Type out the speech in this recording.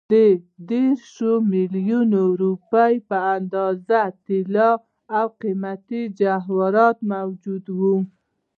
د دېرشو میلیونو روپیو په اندازه طلا او قیمتي جواهرات موجود وو.